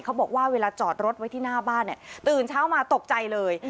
เขาบอกว่าเวลาจอดรถไว้ที่หน้าบ้านเนี่ยตื่นเช้ามาตกใจเลย